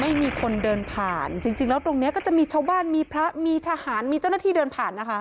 ไม่มีคนเดินผ่านจริงแล้วตรงเนี้ยก็จะมีชาวบ้านมีพระมีทหารมีเจ้าหน้าที่เดินผ่านนะคะ